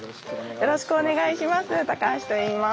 よろしくお願いします。